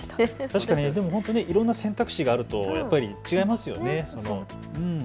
確かにいろんな選択肢があると違いますよね。